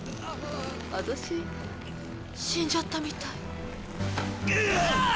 「私死んじゃったみたい」「うっ！」